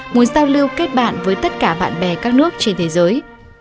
muốn giao lưu kết bạn với tất cả bạn bè các nước trên thế giới